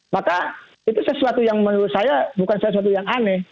maka itu sesuatu yang menurut saya bukan sesuatu yang aneh